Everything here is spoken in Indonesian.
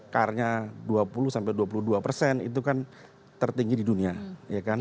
car nya dua puluh sampai dua puluh dua persen itu kan tertinggi di dunia ya kan